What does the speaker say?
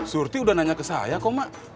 surti udah nanya ke saya kok mak